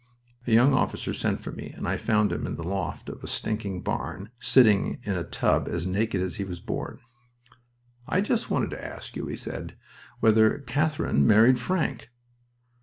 A young officer sent for me and I found him in the loft of a stinking barn, sitting in a tub as naked as he was born. "I just wanted to ask you," he said, "whether Katharine married Frank?"